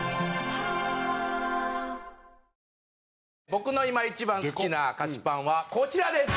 僕の今一番好きな菓子パンはこちらです！